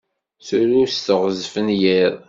Tru s teɣzef n yiḍ.